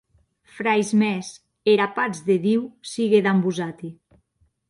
Frairs mèns, era patz de Diu sigue damb vosati.